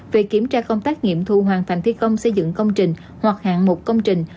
về kiểm tra công tác nghiệm thu hoàn thành thi công xây dựng công trình hoặc hạng mục công trình